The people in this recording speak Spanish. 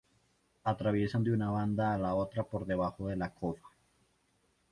Atraviesan de una banda a la otra por debajo de la cofa.